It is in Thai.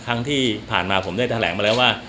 ครั้งที่ผ่านมาผมได้แถลงมาแล้วว่า